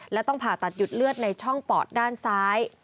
และต้องผ่าตัดหยุดเลือดในช่องปอดด้านซ้าย